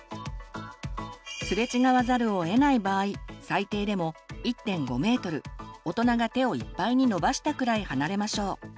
すれ違わざるをえない場合最低でも１．５ｍ大人が手をいっぱいに伸ばしたくらい離れましょう。